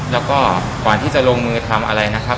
แล้วก็ก่อนที่จะลงมือทำอะไรนะครับ